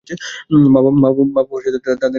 মা-বাপ তাদের নামটাও জানে না।